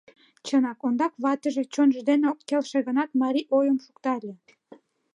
Чынак, ондак ватыже, чонжо дене ок келше гынат, марий ойым шукта ыле.